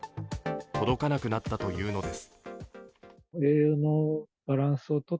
届かなくなったというのです。